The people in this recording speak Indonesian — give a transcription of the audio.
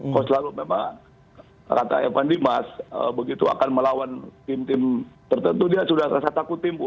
kalau selalu memang kata evan dimas begitu akan melawan tim tim tertentu dia sudah rasa takut timbu